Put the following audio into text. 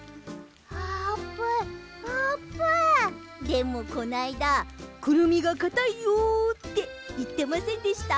でもこないだ「クルミがかたいよ」っていってませんでした？